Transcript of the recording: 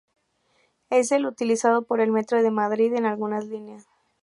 Es el utilizado por el Metro de Madrid en algunas líneas.